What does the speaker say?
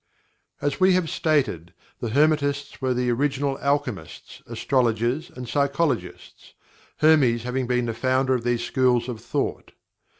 As we have stated, the Hermetists were the original alchemists, astrologers, and psychologists, Hermes having been the founder of these schools of thought.